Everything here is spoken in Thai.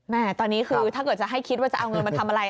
แม่ตอนนี้คือถ้าเกิดจะให้คิดว่าจะเอาเงินมาทำอะไร